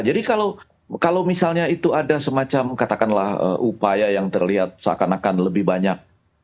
jadi kalau misalnya itu ada semacam katakanlah upaya yang terlihat seakan akan lebih banyak